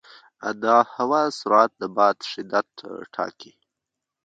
د هوا سرعت د باد شدت ټاکي.